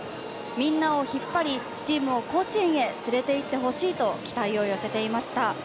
みんなを引っ張りチームを甲子園へ連れて行ってほしいと期待を寄せていました。